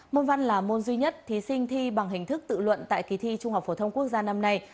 môn văn là môn duy nhất thí sinh thi bằng hình thức tự luận tại kỳ thi trung học phổ thông quốc gia năm nay